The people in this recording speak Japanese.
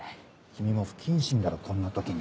君も不謹慎だろこんな時に。